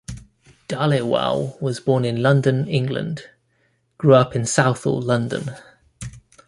Dhaliwal was born in London, England, grew up in Southall, London.